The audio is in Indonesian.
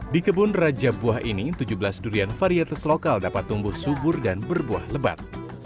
di kebun raja buah ini tujuh belas durian varietes lokal dapat tumbuh subur dan berbuah lebat